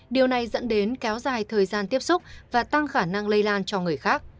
điều này dẫn đến kéo dài thời gian tiếp xúc và tăng khả năng lây lan cho người khác